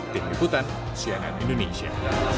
tim ikutan cnn indonesia